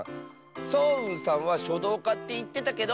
そううんさんはしょどうかっていってたけど。